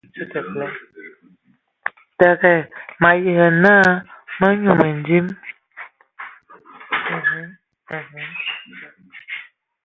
Təgə, mayi və nə ma nyu mədim.